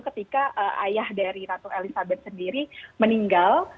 ketika ayah dari ratu elizabeth sendiri meninggal